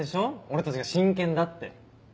俺たちが真剣だって。